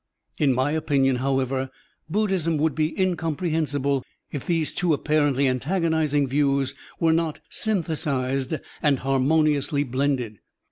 In my opinion, however, Buddhism would be incomprehensible if these two apparently antagonizing views were not synthesized and harmoniously blended.